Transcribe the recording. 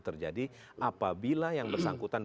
terjadi apabila yang bersangkutan